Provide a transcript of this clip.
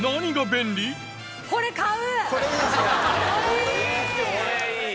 これ買う！